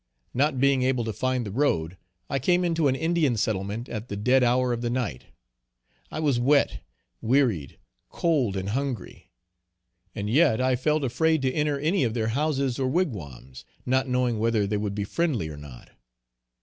Not being able to find the road I came into an Indian settlement at the dead hour of the night. I was wet, wearied, cold and hungry; and yet I felt afraid to enter any of their houses or wigwams, not knowing whether they would be friendly or not.